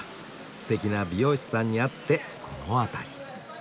すてきな美容師さんに会ってこの辺り。